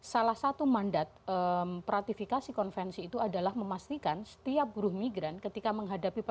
salah satu mandat peratifikasi konvensi itu adalah memastikan setiap buruh migran ketika mereka berada di negara mereka harus berada di negara